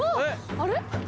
あれ？